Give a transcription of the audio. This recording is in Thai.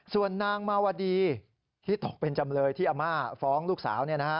ส่วนนางมาวดีที่ตกเป็นจำเลยที่อาม่าฟ้องลูกสาว